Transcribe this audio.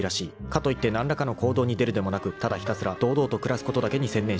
［かといって何らかの行動に出るでもなくただひたすら堂々と暮らすことだけに専念していた］